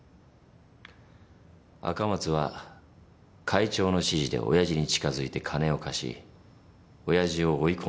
赤松は会長の指示でおやじに近づいて金を貸しおやじを追い込んだ。